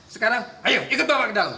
sekarang ayo ikut apa ke dalam